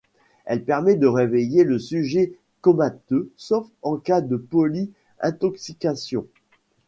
Elle permet de réveiller le sujet comateux, sauf en cas de poly-intoxication.